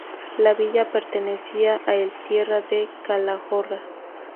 La villa pertenecía a el Tierra de Calahorra.